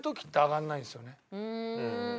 うん。